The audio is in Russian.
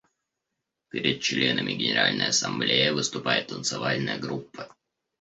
Перед членами Генеральной Ассамблеи выступает танцевальная группа.